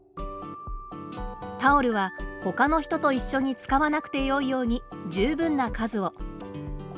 タオルはほかの人と一緒に使わなくてよいように十分な数を。